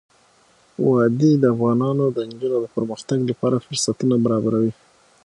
وادي د افغان نجونو د پرمختګ لپاره فرصتونه برابروي.